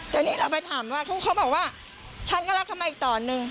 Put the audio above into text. แต่นี่เราไปถามว่าเขาบอกว่าฉันก็รับเขามาอีกตอนนึง